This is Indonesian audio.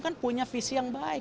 kan punya visi yang baik